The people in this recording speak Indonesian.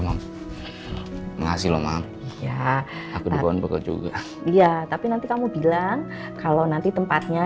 makasih lo maaf aku di bawahnya bekal juga iya tapi nanti kamu bilang kalau nanti tempatnya